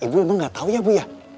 ibu emang gak tau ya bu ya